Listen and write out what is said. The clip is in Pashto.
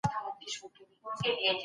هغوی ته د کور او کار زمینه برابره کړئ.